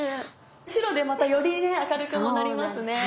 白でまたより明るくもなりますね。